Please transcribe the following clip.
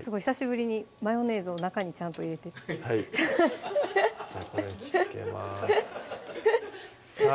すごい久しぶりにマヨネーズを中にちゃんと入れてこれつけますさぁ